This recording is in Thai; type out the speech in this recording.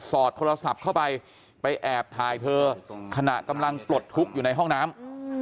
อดโทรศัพท์เข้าไปไปแอบถ่ายเธอขณะกำลังปลดทุกข์อยู่ในห้องน้ำ